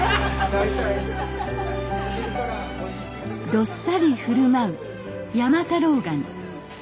どっさり振る舞う山太郎ガニ。